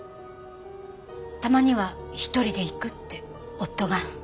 たまには１人で行くって夫が。